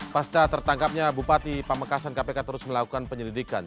pada saat tertangkapnya bupati pamekasan kpk terus melakukan penyelidikan